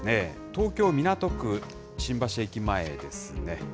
東京・港区、新橋駅前ですね。